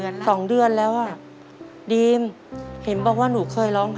อเรนนี่ต้องมีวัคซีนตัวหนึ่งเพื่อที่จะช่วยดูแลพวกม้ามและก็ระบบในร่างกาย